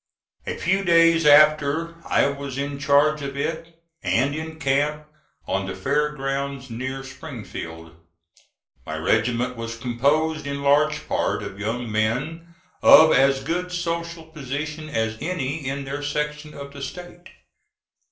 A few days after I was in charge of it and in camp on the fair grounds near Springfield. My regiment was composed in large part of young men of as good social position as any in their section of the State.